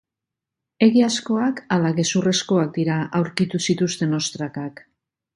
Egiazkoak ala gezurrezkoak dira aurkitu zituzten ostrakak?